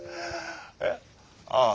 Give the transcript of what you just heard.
えっ？ああ。